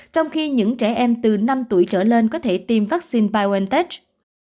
trong khi những trẻ em từ năm tuổi trở lên có thể tiêm vaccine biontech